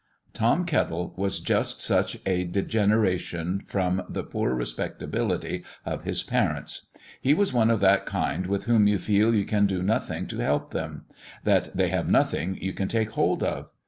Tom Kettle was just such a degeneration from the poor respectability of his parents. He was one of that kind with whom you feel you can do nothing to help them that they have nothing you can take hold of.